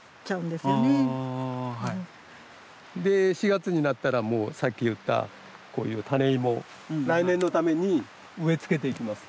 ４月になったらもうさっき言ったこういう種芋来年のために植え付けていきます。